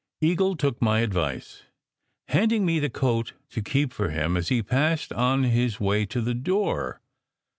Eagle took my advice, handing me the coat to keep for him as he passed on his way to the door.